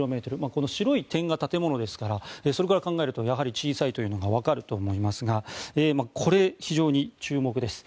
この白い点が建物ですからそれから考えるとやはり小さいということが分かると思いますがここが非常に注目です。